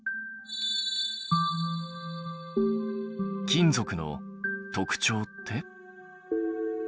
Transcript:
金属の特徴って？